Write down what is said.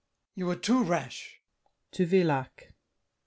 You are too rash! [To Villac.